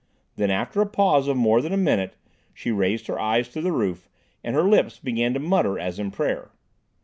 Then, after a pause of more than a minute, she raised her eyes to the roof and her lips began to mutter as in prayer.